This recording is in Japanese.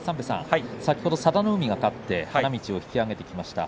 先ほど佐田の海が勝って花道を引き揚げてきました。